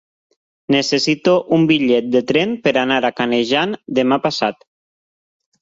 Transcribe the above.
Necessito un bitllet de tren per anar a Canejan demà passat.